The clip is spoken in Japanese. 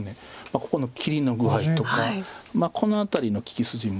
ここの切りの具合とかこの辺りの利き筋も。